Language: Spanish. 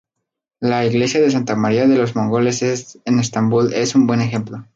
La iglesia de Santa María de los mongoles en Estambul es un buen ejemplo.